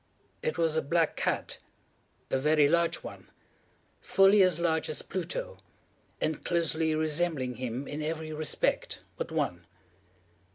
It was a black cat—a very large one—fully as large as Pluto, and closely resembling him in every respect but one.